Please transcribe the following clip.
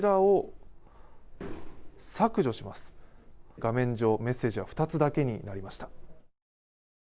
画面上、メッセージは２つだけになりました。